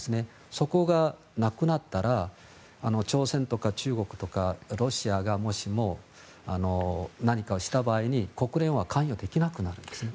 そこがなくなったら朝鮮とか中国とかロシアがもしも何かした場合に、国連は関与できなくなるんですね。